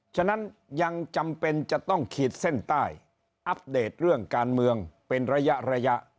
ฉะนั้นยังจำเป็นจะต้องขีดเส้นใต้อัปเดตเรื่องการเมืองเป็นระยะระยะ